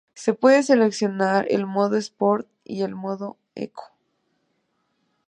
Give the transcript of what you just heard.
Se puede seleccionar el modo Sport y el modo Eco.